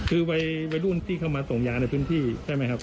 คือวัยรุ่นที่เข้ามาส่งยาในพื้นที่ใช่ไหมครับ